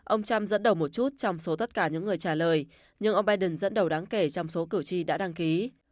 ông trump dẫn đầu một chút trong số tất cả những người trả lời nhưng ông biden dẫn đầu đáng kể trong số cử tri đã đăng ký